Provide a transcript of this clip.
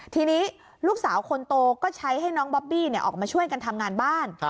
ทีนี้ลูกสาวคนโตก็ใช้ให้น้องบอบบี้ออกมาช่วยกันทำงานบ้าน